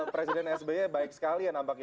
presiden sby baik sekali yang nampak